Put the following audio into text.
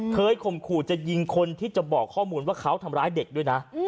ข่มขู่จะยิงคนที่จะบอกข้อมูลว่าเขาทำร้ายเด็กด้วยนะ